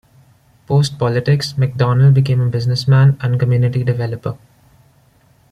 Post-politics, McDonald became a businessman and community developer.